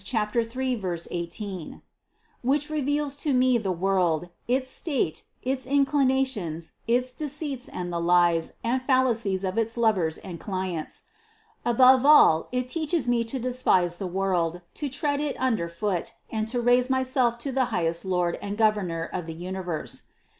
3, 18) ; which reveals to me the world, its state, its inclinations, its deceits and the lies and falla cies of its lovers and clients. Above all, it teaches me to despise the world, to tread it under foot and to raise my self to the highest Lord and Governor of the universe.